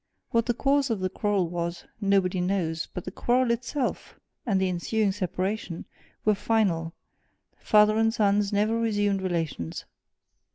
What the cause of the quarrel was, nobody knows; but the quarrel itself, and the ensuing separation, were final father and sons never resumed relations.